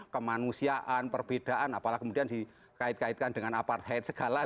ke manusiaan perbedaan apalagi kemudian dikait kaitkan dengan apartheid segala